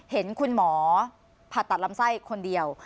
เห็นคุณหมอผ่าตัดลำไส้คนเดียว